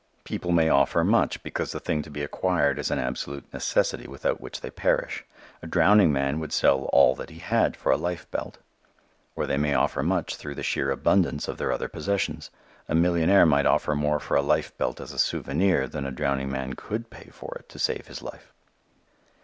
People may offer much because the thing to be acquired is an absolute necessity without which they perish; a drowning man would sell all that he had for a life belt. Or they may offer much through the sheer abundance of their other possessions. A millionaire might offer more for a life belt as a souvenir than a drowning man could pay for it to save his life.